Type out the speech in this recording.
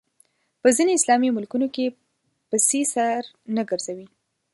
په ځینو اسلامي ملکونو کې پسې سر نه ګرځوي